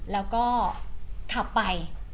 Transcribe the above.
แล้วก็ขับไป